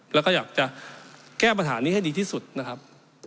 แล้วก็อยากจะแก้ปัญหานี้ให้ดีที่สุดนะครับ